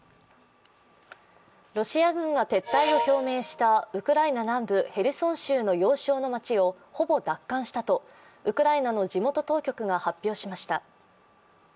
ロシア軍が撤退を表明したウクライナ南部ヘルソン州の要衝の町をほぼ奪還したと、ウクライナの地元当局が発表しました。